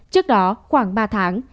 trước đó khoảng ba tháng